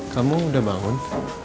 kamu udah bangun